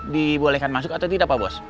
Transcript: dibolehkan masuk atau tidak pak bos